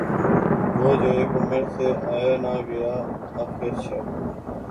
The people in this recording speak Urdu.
وہ جو اک عمر سے آیا نہ گیا آخر شب